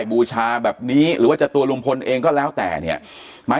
บูชาแบบนี้หรือว่าจะตัวลุงพลเองก็แล้วแต่เนี่ยมา